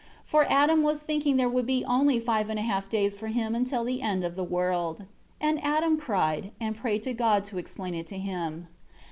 4 For Adam was thinking there would be only five and a half days for him until the end of the world. 5 And Adam cried, and prayed to God to explain it to him.